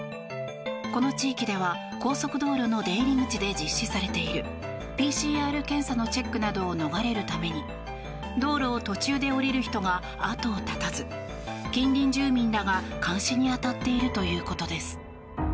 この地域では高速道路の出入り口で実施されているＰＣＲ検査のチェックなどを逃れるために道路を途中で降りる人が後を絶たず近隣住民らが監視に当たっているということです。